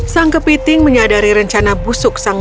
sang kepiting sudah menyadari rencana yang nominated